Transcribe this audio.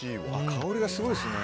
香りがすごいですね。